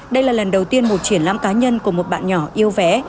đây là lần đầu tiên một triển lãm cá nhân của một bạn nhỏ yêu vẽ